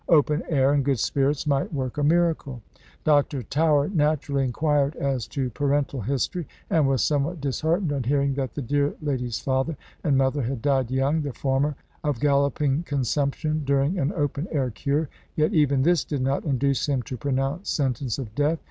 "Open air and good spirits might work a miracle." Dr. Tower naturally inquired as to parental history, and was somewhat disheartened on hearing that the dear lady's father and mother had died young, the former of galloping consumption, during an open air cure; yet even this did not induce him to pronounce sentence of death.